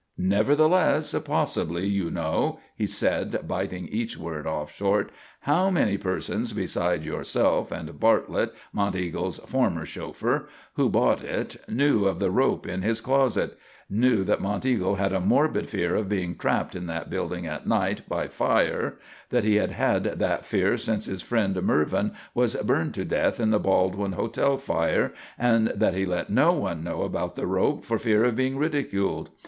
"Nevertheless, possibly you know," he said, biting each word off short, "how many persons beside yourself and Bartlett, Monteagle's former chauffeur, who bought it, knew of the rope in his closet; knew that Monteagle had a morbid fear of being trapped in that building at night by fire; that he had had that fear since his friend Mervin was burned to death in the Baldwin Hotel fire; that he let no one know about the rope for fear of being ridiculed?